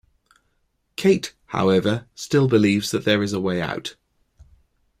Kate, however, still believes that there is a way out.